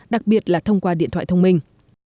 đặc biệt là thông qua điện thoại thông minh